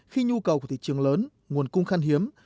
khi nhu cầu của thị trường lớn nguồn cung khăn hiếm